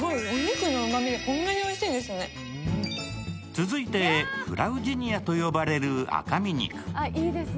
続いて、フラウジニアと呼ばれる赤身肉。